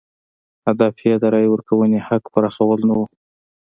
هدف یې د رایې ورکونې حق پراخوال نه و.